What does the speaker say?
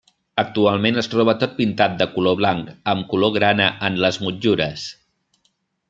Actualment es troba tot pintat de color blanc amb color grana en les motllures.